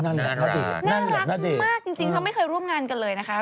น่ารักมากจริงเขาไม่เคยร่วมงานกันเลยนะคะ